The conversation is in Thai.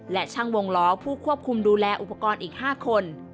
และช่างวงล้อผู้ควบคุมดูแลอุปกรณ์อีก๕คน